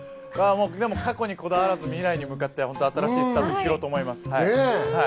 過去にこだわらず未来に向かって新しいスタートを切ろうと思います。